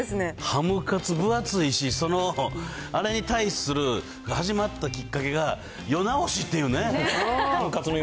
ハムカツ、分厚いし、その、あれに対する、始まったきっかけが、世直しっていうね。